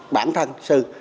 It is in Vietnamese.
bản thân sư